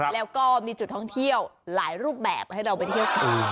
แล้วก็มีจุดท่องเที่ยวหลายรูปแบบให้เราไปเที่ยวกัน